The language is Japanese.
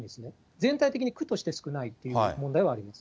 全体的に区として少ないという問題はあります。